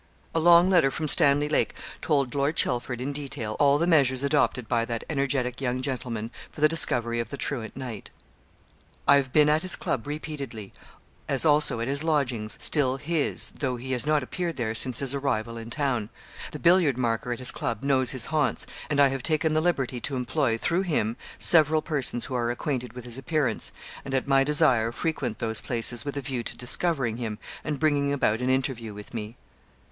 A long letter from Stanley Lake told Lord Chelford, in detail, all the measures adopted by that energetic young gentleman for the discovery of the truant knight: 'I have been at his club repeatedly, as also at his lodgings still his, though he has not appeared there since his arrival in town. The billiard marker at his club knows his haunts; and I have taken the liberty to employ, through him, several persons who are acquainted with his appearance, and, at my desire, frequent those places with a view to discovering him, and bringing about an interview with me.